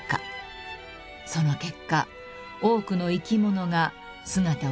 ［その結果多くの生き物が姿を消してしまいました］